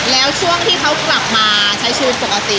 แล้วช่วงที่เขากลับมาใช้ชีวิตปกติ